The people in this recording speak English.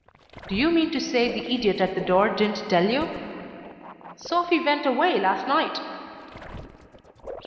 "Do you mean to say the idiot at the door didn't tell you? Sophy went away last night."